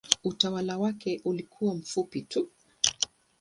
Utawala wake ulikuwa mfupi tu.